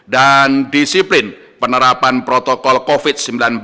disiplin penerapan protokol covid sembilan belas